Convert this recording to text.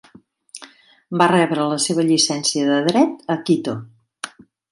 Va rebre la seva llicència de dret a Quito.